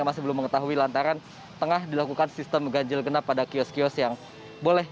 yang masih belum mengetahui lantaran tengah dilakukan sistem ganjil genap pada kiosk kiosk